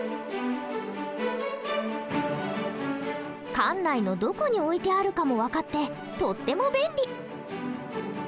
館内のどこに置いてあるかも分かってとっても便利。